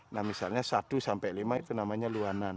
nah misalnya satu sampai lima itu namanya luanan